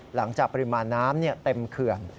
หลังจากปริมาณน้ำเต็มเขื่อน